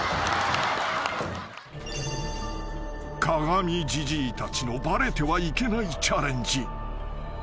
［鏡じじいたちのバレてはいけないチャレンジ］